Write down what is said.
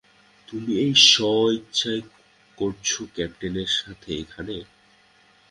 তুমি এটা স্ব ইচ্ছায় করছো ক্যাপ্টেনের সাথে এখানে।